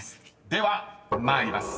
［では参ります。